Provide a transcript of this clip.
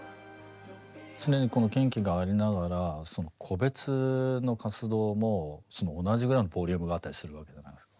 常にこのＫｉｎＫｉがありながら個別の活動も同じぐらいのボリュームがあったりするわけじゃないですか。